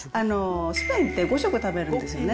スペインって５食食べるんですよね。